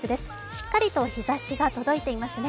しっかりと日ざしが届いていますね。